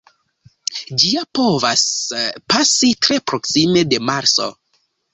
Ĝia povas pasi tre proksime de Marso.